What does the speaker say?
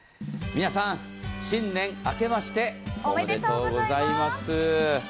皆さん、新年あけましておめでとうございます。